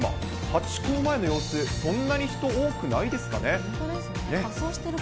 ハチ公前の様子、そんなに人、本当ですね。